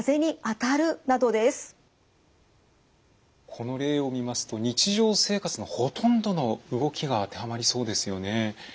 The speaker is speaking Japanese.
この例を見ますと日常生活のほとんどの動きが当てはまりそうですよね。